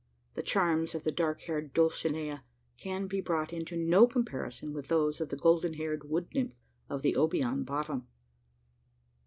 The charms of the dark haired Dulcinea can be brought into no comparison with those of the golden haired wood nymph of the Obion Bottom.